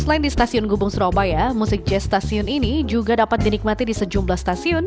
selain di stasiun gubeng surabaya musik jazz stasiun ini juga dapat dinikmati di sejumlah stasiun